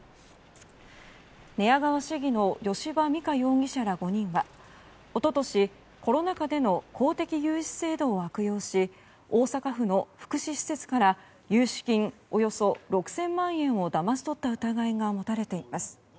寝屋川市議の吉羽美華容疑者ら５人は一昨年、コロナ禍での公的融資制度を悪用し大阪府の福祉施設から融資金およそ６０００万円をだまし取った疑いが持たれています。